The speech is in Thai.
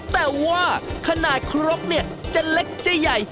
แต่ว่าขนาดครกเนี่ยจะเล็กจะใหญ่